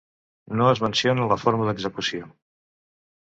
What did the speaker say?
No es menciona la forma d'execució.